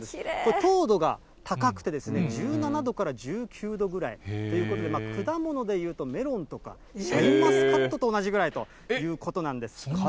糖度が高くて、１７度から１９度ぐらいということで、果物で言うとメロンとかシャインマスカットと同じぐらいというこかなり甘い。